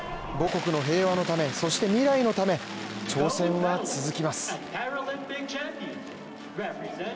母国の平和のため、そして未来のため挑戦は続きます。